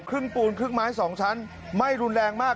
ครึ่งปูนครึ่งไม้๒ชั้นไหม้รุนแรงมาก